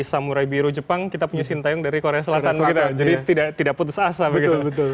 samurai biru jepang kita punya sintayung dari korea selatan jadi tidak putus asa begitu